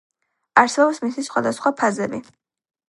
არსებობს მისი სხვადასხვა ფაზები.